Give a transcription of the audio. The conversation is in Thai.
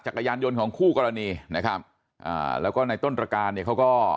จักรยานยนต์ของคู่กรณีนะครับอ่าแล้วก็ในต้นตรการเนี่ยเขาก็